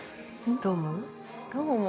どう思う？